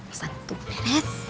pesan itu beres